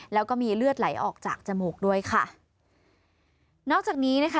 แล้วก็มีเลือดไหลออกจากจมูกด้วยค่ะนอกจากนี้นะคะ